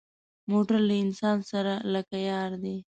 موټر له انسان سره لکه یار دی.